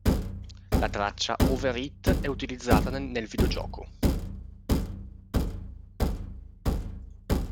La traccia "Over It" è utilizzata nel videogioco